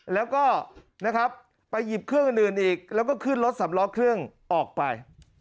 แล้วก็นะครับไปหยิบเครื่องอื่นอีกแล้วก็ขึ้นรถสำล้อเครื่องออกไป